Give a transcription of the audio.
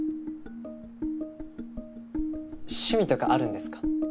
趣味とかあるんですか？